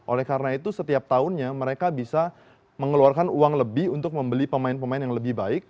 oleh karena itu setiap tahunnya mereka bisa mengeluarkan uang lebih untuk membeli pemain pemain yang lebih baik